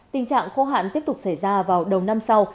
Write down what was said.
tình trạng khô hạn tiếp tục xảy ra vào đầu năm sau